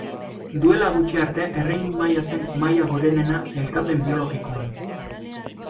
Duela gutxi arte erreinu maila zen maila gorenena sailkapen biologikoan.